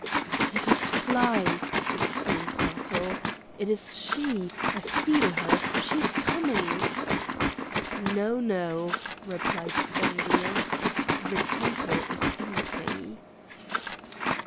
"Let us fly!" exclaimed Matho. "It is she! I feel her; she is coming." "No, no," replied Spendius, "the temple is empty."